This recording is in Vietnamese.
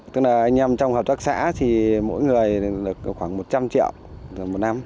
tức là anh em trong hợp tác xã thì mỗi người được khoảng một trăm linh triệu một năm